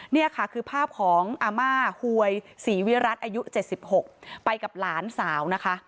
นี่ค่ะคือภาพของอาม่าหวยศรีวิรัติอายุ๗๖ไปกับหลานสาวนะคะ